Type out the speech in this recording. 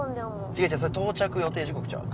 違う違うそれ到着予定時刻ちゃう？